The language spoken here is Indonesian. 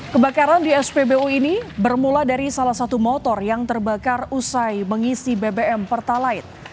kebakaran di spbu ini bermula dari salah satu motor yang terbakar usai mengisi bbm pertalite